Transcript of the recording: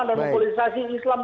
dan mempolitisasi islam